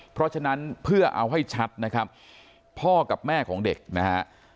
เพราะฉะนั้นเพื่อเอาให้ชัดนะครับพ่อกับแม่ของเด็กนะฮะ